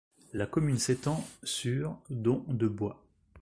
La commune s'étend sur dont de bois.